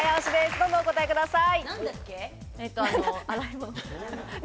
どうぞお答えください。